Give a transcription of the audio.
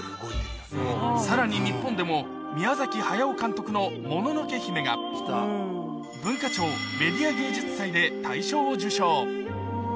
さらに日本でも、宮崎駿監督のもののけ姫が、文化庁メディア芸術祭で大賞を受賞。